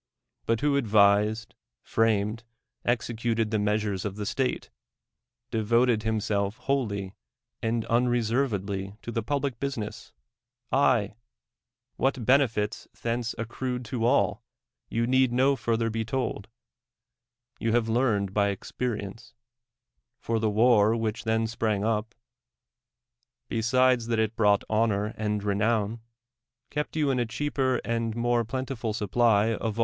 But who ndvised, framed, executed the measures of state, devoted himself wholly and unreservedly to tho public business? — TI — AVhat l)enefits tli('nc(> accrued to all, you need no furtln^r to Ix' told: y(.'U have learned by experience. For tln' wnr v/liidi then sprang up, l)(^sid(\s that it brought honor and renown, k'cpt you in a chr'aper and mon^ plenti ful sup])ly of all th